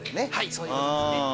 そういうことですね。